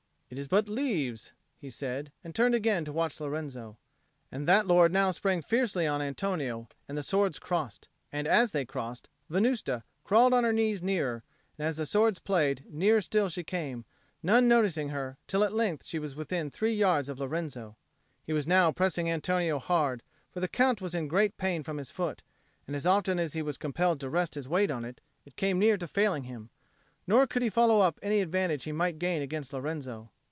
"It is but leaves," he said, and turned again to watch Lorenzo. And that lord now sprang fiercely on Antonio and the swords crossed. And as they crossed, Venusta crawled on her knees nearer, and as the swords played, nearer still she came, none noticing her, till at length she was within three yards of Lorenzo. He now was pressing Antonio hard, for the Count was in great pain from his foot, and as often as he was compelled to rest his weight on it, it came near to failing him, nor could he follow up any advantage he might gain against Lorenzo.